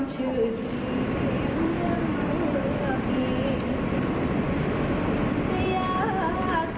ดูสิสีหอมต้องห่วงมาก